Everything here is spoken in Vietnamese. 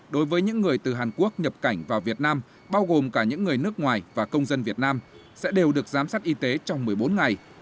đối với những người từ hàn quốc nhập cảnh vào việt nam bao gồm cả những người nước ngoài và công dân việt nam sẽ đều được giám sát y tế trong một mươi bốn ngày